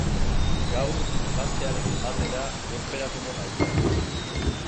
Gaur emaztearekin batera lurperatuko naute.